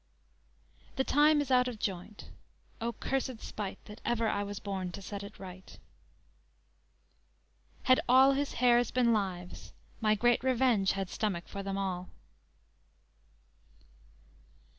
"The time is out of joint; O cursed spite, That ever I was born to set it right." _"Had all his hairs been lives, my great revenge Had stomach for them all."